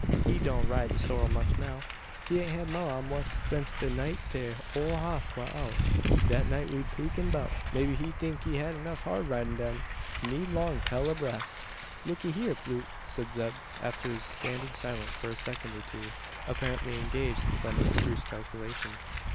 he doan' ride de sorrel much now. He hain't mount 'im once since de night de ole hoss wa out dat night we been 'peakin' 'bout. Maybe he tink he hab enuf hard ridin' den, an need long 'pell ob ress." "Look'ee hyur, Plute," said Zeb, after standing silent for a second or two, apparently engaged in some abstruse calculation.